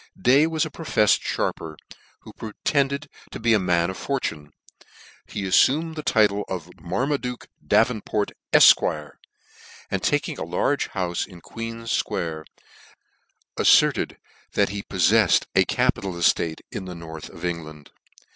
Day was a profeffed fharper, who pretended to be a man of fortune. He aifumed the title of Marmaduke Davenport, Efq. and taking a large houfe in Queen's Square, afierted that he poffcir ed a capital eftarein the north of England.